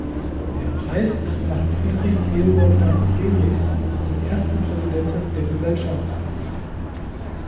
Der Preis ist nach Friedrich Theodor von Frerichs, dem ersten Präsidenten der Gesellschaft, benannt.